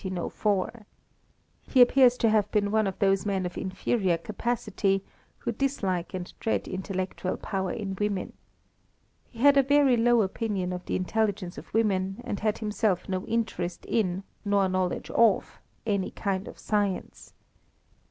He appears to have been one of those men of inferior capacity, who dislike and dread intellectual power in women. He had a very low opinion of the intelligence of women, and had himself no interest in, nor knowledge of, any kind of science.